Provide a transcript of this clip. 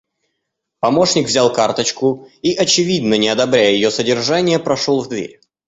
Помощник взял карточку и, очевидно, не одобряя ее содержание, прошел в дверь.